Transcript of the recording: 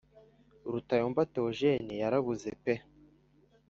Rutayomba Theogene yarabuze pe